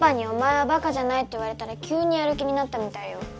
「お前はバカじゃない」って言われたら急にやる気になったみたいよ。